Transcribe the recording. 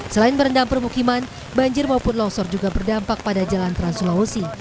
selain merendam permukiman banjir maupun longsor juga berdampak pada jalan trans sulawesi